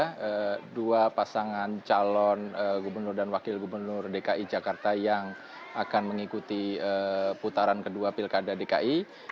ada dua pasangan calon gubernur dan wakil gubernur dki jakarta yang akan mengikuti putaran kedua pilkada dki